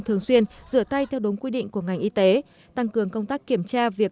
thường xuyên rửa tay theo đúng quy định của ngành y tế tăng cường công tác kiểm tra việc